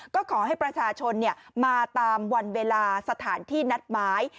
ก็ขอให้ประชาชนมาตามวันเวลาสถานที่นัดหมาย